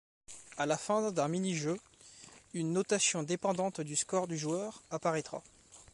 Après la fin d'un mini-jeu, une notation dépendante du score du joueur apparaîtra.